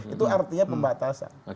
itu artinya pembatasan